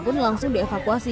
pun langsung dievakuasi